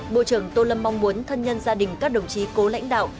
bộ trưởng tô lâm mong muốn thân nhân gia đình các đồng chí cố lãnh đạo